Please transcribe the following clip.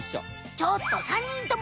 ちょっと３にんとも！